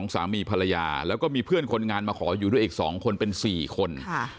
สามีภรรยาแล้วก็มีเพื่อนคนงานมาขออยู่ด้วยอีก๒คนเป็น๔คน